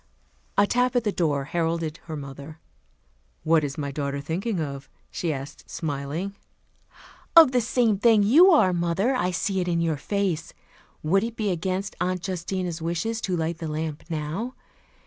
A tap at the door heralded her mother. "What is my daughter thinking of?" she asked, smiling. "Of the same thing you are, mother. I see it in your face. Would it be against Aunt Justina's wishes, to light the lamp now?